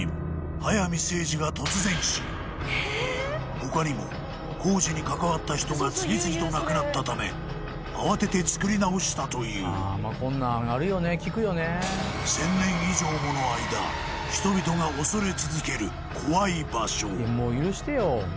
早速整爾が突然死他にも工事にかかわった人が次々と亡くなったため慌てて作り直したという１０００年以上もの間人々が恐れ続ける怖い場所